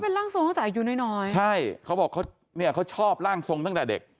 ร่างทรงตั้งแต่อายุน้อยน้อยใช่เขาบอกเขาเนี่ยเขาชอบร่างทรงตั้งแต่เด็ก